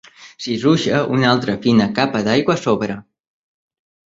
S'hi ruixa una altra fina capa d'aigua a sobre.